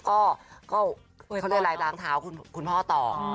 ก็เลยลายล้างเท้าคุณพ่อต่อ